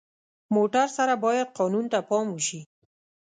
موټر سره باید قانون ته پام وشي.